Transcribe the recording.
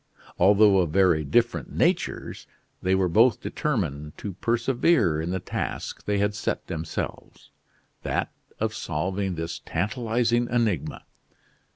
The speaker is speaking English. Although of very different natures, they were both determined to persevere in the task they had set themselves that of solving this tantalizing enigma.